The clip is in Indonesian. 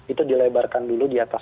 itu dilebarkan dulu di atas